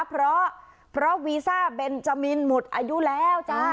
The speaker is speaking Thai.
เพราะเพราะวีซ่าเบนจามินหมดอายุแล้วจ้า